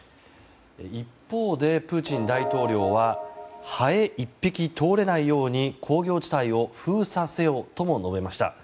一方でプーチン大統領はハエ１匹通れないように工業地帯を封鎖せよとも述べました。